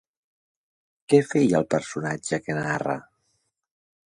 Què feia el personatge que narra?